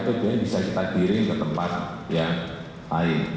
sehingga apbn bisa kita diring ke tempat yang lain